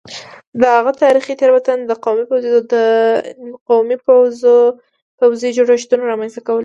د هغه تاریخي تېروتنه د قومي پوځي جوړښتونو رامنځته کول وو